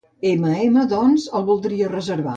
Mm doncs el voldria reservar.